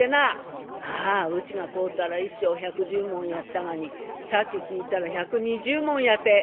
「ああうちが買うたら１升１１０文やったがにさっき聞いたら１２０文やて」。